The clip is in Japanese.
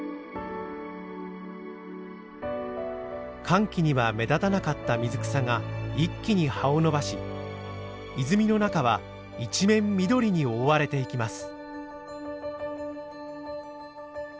乾季には目立たなかった水草が一気に葉を伸ばし泉の中は一面緑に覆われていきます。